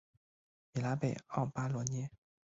米拉贝奥巴罗涅。